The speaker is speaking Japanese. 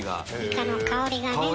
イカの香りがね。